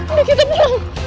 udah kita pulang